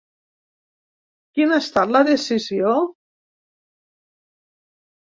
Quina ha estat la decisió?